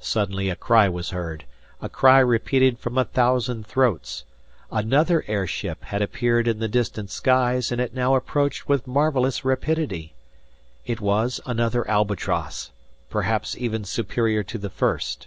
Suddenly a cry was heard, a cry repeated from a thousand throats. Another airship had appeared in the distant skies and it now approached with marvelous rapidity. It was another "Albatross," perhaps even superior to the first.